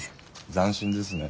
斬新ですね。